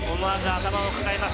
思わず頭を抱えます